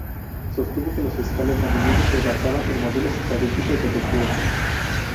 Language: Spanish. Sostuvo que los fiscales a menudo se basaban en modelos estadísticos defectuosos.